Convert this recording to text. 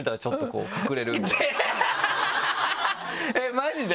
マジで？